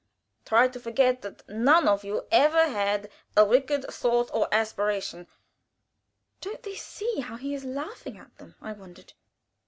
Try to forget that none of you ever had a wicked thought or an unholy aspiration " ("Don't they see how he is laughing at them?" I wondered.)